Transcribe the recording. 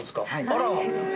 あら。